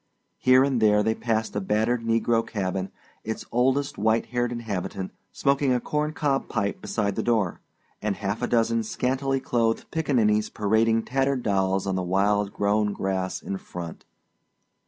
Here and there they passed a battered negro cabin, its oldest white haired inhabitant smoking a corncob pipe beside the door, and half a dozen scantily clothed pickaninnies parading tattered dolls on the wild grown grass in front.